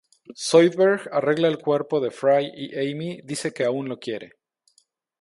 Zoidberg arregla el cuerpo de Fry y Amy dice que aún lo quiere.